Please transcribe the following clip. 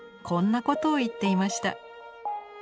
こんなことを言っていました。